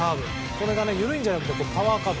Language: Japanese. これが緩いんじゃなくてパワーカーブ。